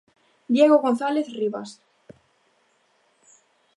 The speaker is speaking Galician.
Diego González Rivas.